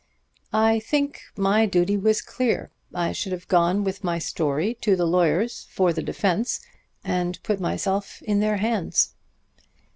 "I think my duty was clear. I should have gone with my story to the lawyers for the defense, and put myself in their hands."